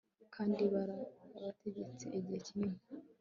kandi barategetse igihe kinini